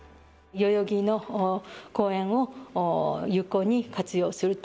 代々木の公園を有効に活用すると。